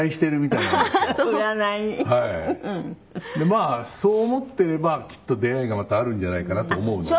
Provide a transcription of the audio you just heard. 「まあそう思っていればきっと出会いがまたあるんじゃないかなと思うので」